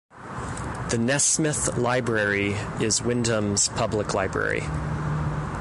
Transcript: The Nesmith Library is Windham's public library.